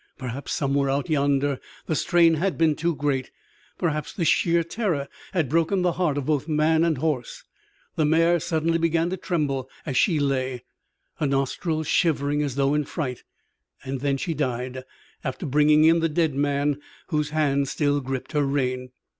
Perhaps somewhere out yonder the strain had been too great; perhaps the sheer terror had broken the heart of both man and horse. The mare suddenly began to tremble as she lay, her nostrils shivering as though in fright. And she died, after bringing in the dead man whose hand still gripped her rein.